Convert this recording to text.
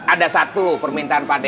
ada satu permintaan pak d